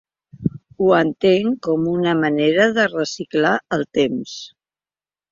Ho entenc com una manera de reciclar el temps.